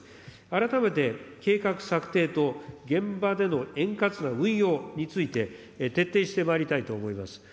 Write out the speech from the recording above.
改めて計画策定と現場での円滑な運用について、徹底してまいりたいと思います。